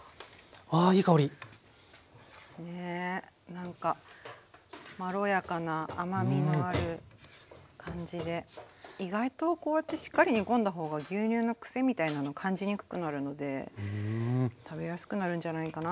なんかまろやかな甘みのある感じで意外とこうやってしっかり煮込んだ方が牛乳のくせみたいなの感じにくくなるので食べやすくなるんじゃないかなぁ。